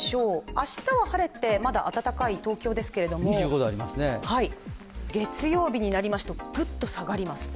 明日は晴れてまだ暖かい東京ですけれども月曜日になりますと、グッと下がります。